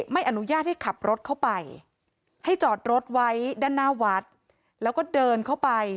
ไม่อนุญาตให้ขับรถเข้าไปให้จอดรถไว้ด้านหน้าวัดแล้วก็เดินเข้าไป